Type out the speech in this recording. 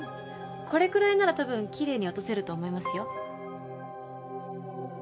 これくらいならたぶん奇麗に落とせると思いますよ。